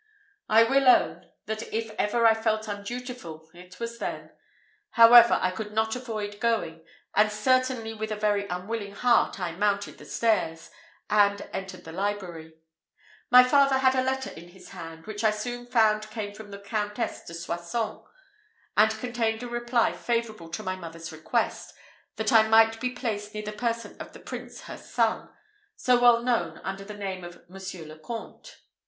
I will own, that if ever I felt undutiful, it was then. However, I could not avoid going, and certainly with a very unwilling heart I mounted the stairs, and entered the library. My father had a letter in his hand, which I soon found came from the Countess de Soissons, and contained a reply favourable to my mother's request, that I might be placed near the person of the prince, her son, so well known under the name of Monsieur le Comte.